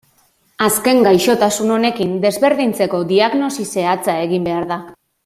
Azken gaixotasun honekin desberdintzeko diagnosi zehatza egin behar da.